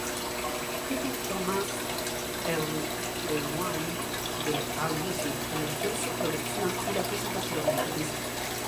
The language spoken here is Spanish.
Stephen Thomas Erlewine de AllMusic elogió su producción y la presentación del artista.